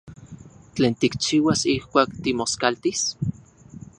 ¿Tlen tikchiuas ijkuak timoskaltis?